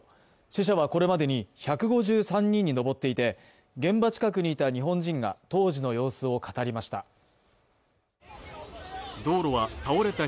死者はこれまでに１５３人に上っていて、現場近くにいた日本人が当時の様子を語りました。